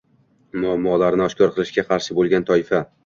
muammolarni oshkor qilishga qarshi bo‘lgan toifa